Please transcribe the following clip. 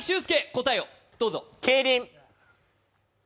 答えをどうぞ。